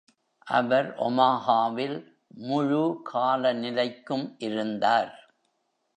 அவர் ஒமாஹாவில் முழு காலநிலைக்கும் இருந்தார்.